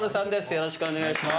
よろしくお願いします。